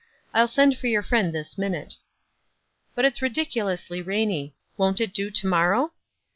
I'll send for your friend this minute." "But it's ridiculously rainy. Won't it do to morrow?"